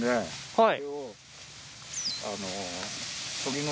はい。